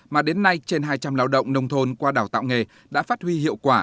mà đến nay trên hai trăm linh lao động nông thôn qua đào tạo nghề đã phát huy hiệu quả